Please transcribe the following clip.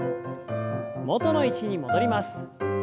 元の位置に戻ります。